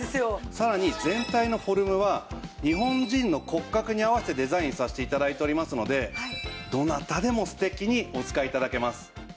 さらに全体のフォルムは日本人の骨格に合わせてデザインさせて頂いておりますのでどなたでも素敵にお使い頂けます。